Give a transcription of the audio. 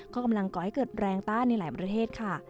ก็กำลังก่อให้เกิดแรงต้านในหลายประเทศค่ะ